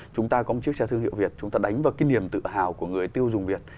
chúng ta có một chiếc xe thương hiệu việt chúng ta đánh vào cái niềm tự hào của người tiêu dùng việt